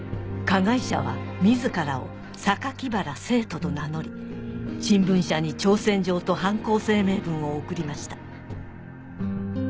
加害者は自らを「酒鬼薔薇聖斗」と名乗り新聞社に挑戦状と犯行声明文を送りました